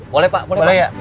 boleh pak boleh pak